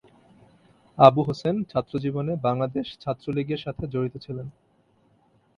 আবু হোসেন ছাত্র জীবনে বাংলাদেশ ছাত্রলীগের সাথে জড়িত ছিলেন।